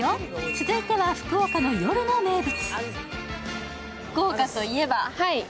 続いては福岡の夜の名物。